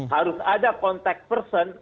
harus ada kontak person